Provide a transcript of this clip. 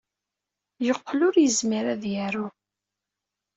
Yeqqel ur yezmir ad yaru.